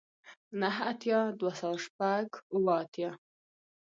نه اتیای دوه سوه شپږ اوه اتیا